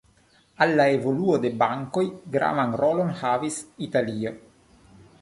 Al la evoluo de bankoj gravan rolon havis Italio.